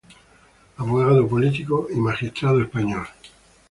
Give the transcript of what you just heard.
Abogado, político y magistrado español.